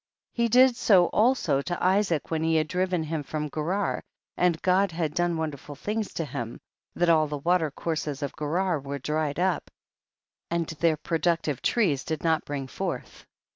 34. He did so also to Isaac when he had driven him from Gerar, and God had done wonderful things to him, that all the water courses of Gerar were dried up, and their pro ductive trees did not bring forth.